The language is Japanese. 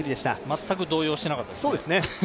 全く動揺してなかったですね。